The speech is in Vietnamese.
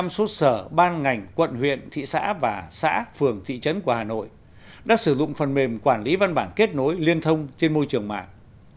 một trăm linh số sở ban ngành quận huyện thị xã và xã phường thị trấn của hà nội đã sử dụng phần mềm quản lý văn bản kết nối liên thông trên môi trường mạng